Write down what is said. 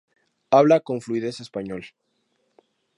Habla con fluidez español.